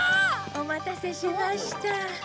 お待たせしました。